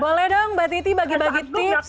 boleh dong mbak titi bagi bagi tips